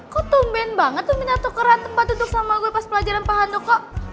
kok tumben banget tuh minatukeran tempat duduk sama gue pas pelajaran pak handoko